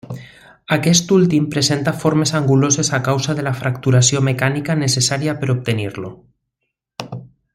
Aquest últim presenta formes anguloses a causa de la fracturació mecànica necessària per obtenir-lo.